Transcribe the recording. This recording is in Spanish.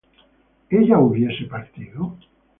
¿ella hubiese partido?